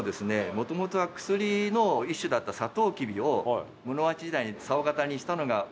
もともとは薬の一種だったサトウキビを室町時代に竿型にしたのが始まりで。